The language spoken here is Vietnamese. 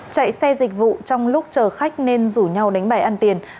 chạy xe dịch vụ trong lúc chờ khách nên rủ nhau đánh bài ăn tiền